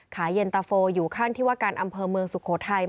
ขายเย็นตะโฟอยู่ขั้นที่ว่าการอำเภอเมืองสุโขทัย